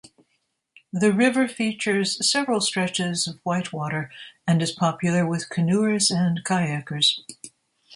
The river features several stretches of whitewater, and is popular with canoers and kayakers.